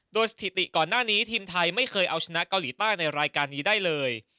โดยสถิติก่อนหน้านี้ทีมไทยไม่เคยเอาชนะเกาหลีใต้ในรายการนี้ได้เลย